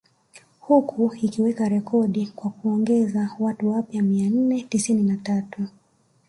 Huku ikiweka rekodi kwa kuongeza watu wapya mia nne tisini na tatu